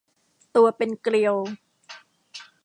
ตัวเป็นเกลียว